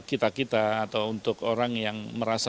facebook juga berguna ya untuk kita kita atau untuk orang yang merasa perlu